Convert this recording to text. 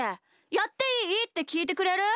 「やっていい？」ってきいてくれる？